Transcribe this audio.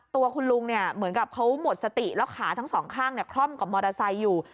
ตัวคุณลุงเนี่ยเหมือนกับเขาหมดสติแล้วขาทั้งสองข้างคล่อมกับมอเตอร์ไซค์อยู่